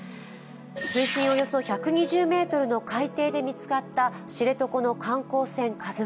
水深およそ１２０ｍの海底で見つかった知床の観光船「ＫＡＺＵⅠ」。